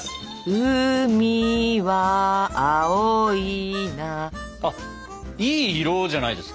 うみは青いなあいい色じゃないですか。